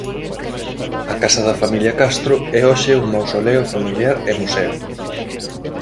A casa da familia Castro é hoxe un mausoleo familiar e museo.